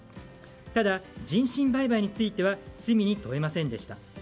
ただ、人身売買については罪に問えませんでした。